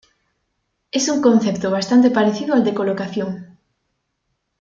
Es un concepto bastante parecido al de colocación.